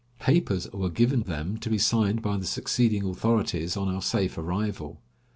Papers were given them to be signed by the succeeding authorities on our safe arrival.